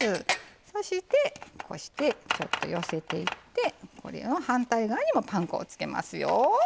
そしてこうしてちょっと寄せていってこれを反対側にもパン粉をつけますよ。